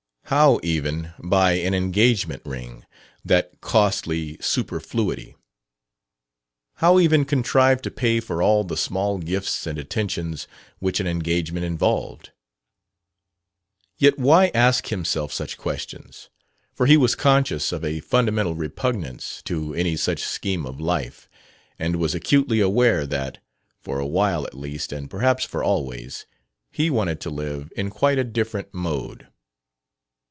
How, even, buy an engagement ring that costly superfluity? How even contrive to pay for all the small gifts and attentions which an engagement involved? Yet why ask himself such questions? For he was conscious of a fundamental repugnance to any such scheme of life and was acutely aware that for awhile, at least, and perhaps for always he wanted to live in quite a different mode.